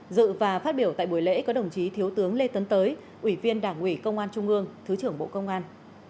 dự và phát biểu tại buổi lễ có đồng chí thiếu tướng lê tấn tới ủy viên đảng ủy công an trung ương thứ trưởng bộ công an